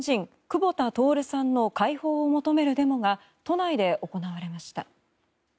久保田徹さんの解放を求めるデモが都内で行われました。